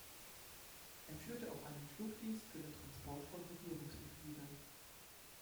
Er führte auch einen Flugdienst für den Transport von Regierungsmitgliedern.